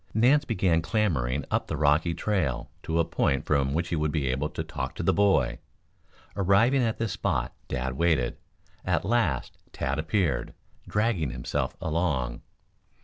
Nance began clambering up the rocky trail to a point from which he would be able to talk to the boy. Arriving at this spot, Dad waited. At last Tad appeared, dragging himself along.